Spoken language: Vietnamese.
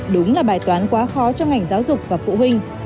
đúng là bài toán quá khó cho ngành giáo dục và phụ huynh